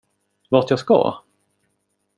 Vart jag ska?